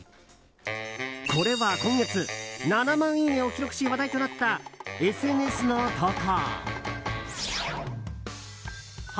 これは、今月７万いいねを記録し話題となったＳＮＳの投稿。